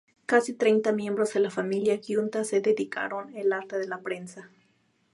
Casi treinta miembros de la familia Giunta se dedicaron al arte de la prensa.